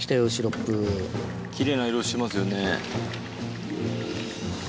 奇麗な色してますよね。